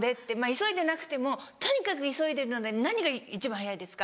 急いでなくても「とにかく急いでるので何が一番早いですか？」。